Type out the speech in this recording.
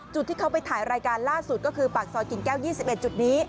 จุดที่เขาไปถ่ายรายการล่าสุดก็คือปากซอยกิ่งแก้ว๒๑จุดนี้